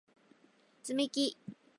つみき